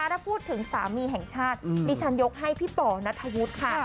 ถ้าพูดถึงสามีแห่งชาติดิฉันยกให้พี่ป่อนัทธวุฒิค่ะ